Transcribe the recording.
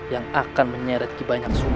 yang akan menyeret kebanyakan sumber